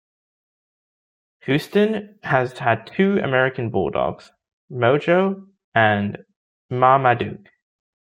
Houston has had two American Bulldogs, "Mojo" and "Marmaduke".